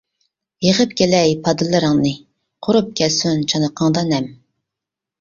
يىغىپ كېلەي پادىلىرىڭنى، قۇرۇپ كەتسۇن چانىقىڭدا نەم.